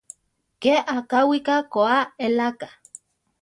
Ké akáwika koá eláka.